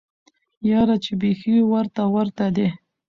یاره چی بیخی ورته ورته دی